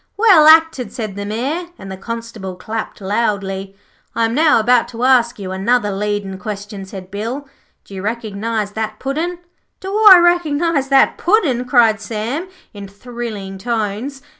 'Well acted,' said the Mayor, and the Constable clapped loudly. 'I am now about to ask you another leadin' question,' said Bill. 'Do you recognize that Puddin'?' 'Do I recognize that Puddin'?' cried Sam in thrilling tones.